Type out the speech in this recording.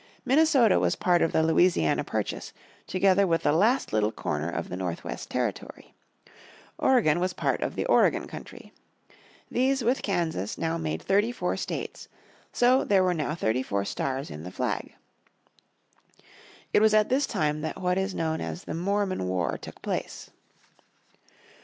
Minnesota was part of the Louisiana Purchase together with the last little corner of the North West Territory. Oregon was part of the Oregon country. These with Kansas now made thirty four states. So there were now thirty four stars in the flag. It was at this time that what is known as the Mormon War took place.